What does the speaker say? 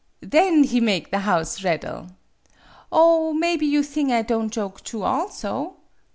Then he make the house raddle! Oh, mebby you thing I don' joke too, also